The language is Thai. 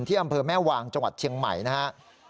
อำเภอแม่วางจังหวัดเชียงใหม่นะครับ